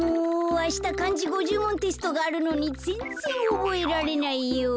あしたかんじ５０もんテストがあるのにぜんぜんおぼえられないよ。